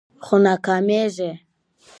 خو ناکامیږي